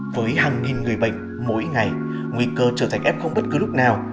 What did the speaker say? với hàng nghìn người bệnh mỗi ngày nguy cơ trở thành f không bất cứ lúc nào